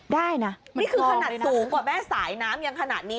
ได้นะนี่คือขนาดสูงกว่าแม่สายน้ำยังขนาดนี้